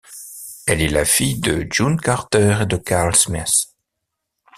Elle est la fille de June Carter et de Carl Smith.